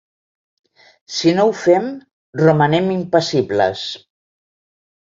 Si no ho fem romanem impassibles.